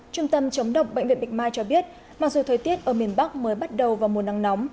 trung tâm chống độc bệnh viện bạch mai cho biết mặc dù thời tiết ở miền bắc mới bắt đầu vào mùa nắng nóng